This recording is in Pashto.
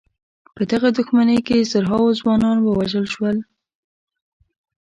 په دغه دښمنۍ کې زرهاوو ځوانان ووژل شول.